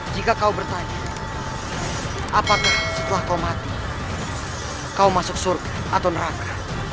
jika kau bertanya apakah setelah kau mati kau masuk surga atau neraka